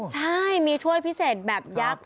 ใช่มีถ้วยพิเศษแบบยักษ์